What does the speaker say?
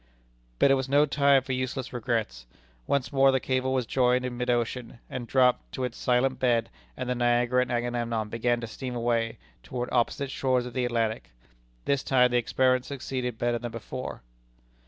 But it was no time for useless regrets. Once more the cable was joined in mid ocean, and dropped to its silent bed, and the Niagara and the Agamemnon began to steam away toward opposite shores of the Atlantic. This time the experiment succeeded better than before.